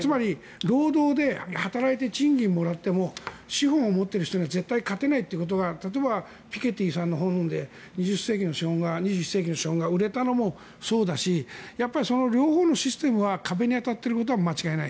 労働で資金をもらっても資本を持っている人には絶対に勝てないということはピケティさんの本で「２１世紀の資本」が売れたのもそうだしやっぱりその両方のシステムが壁に当たっていることは間違いない。